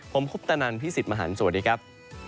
ผมคุปตนันพี่สิทธิ์มหันฯสวัสดีครับ